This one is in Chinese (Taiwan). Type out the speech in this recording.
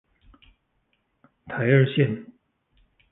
台二線